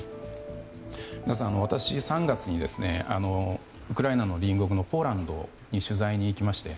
皆さん、私、３月にウクライナの隣国のポーランドに取材に行きまして